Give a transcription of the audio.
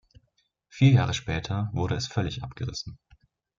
Vier Jahre später wurde es völlig abgerissen.